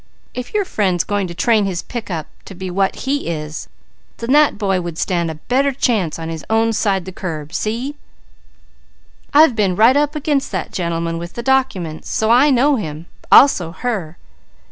If your friend's going to train his pick up to be what he is, then that boy would stand a better chance on his own side the curb. See? I've been right up against that gentleman with the documents, so I know him. Also her!